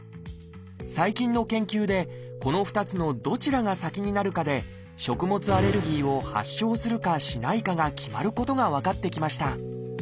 最近の研究でこの２つのどちらが先になるかで食物アレルギーを発症するかしないかが決まることが分かってきました。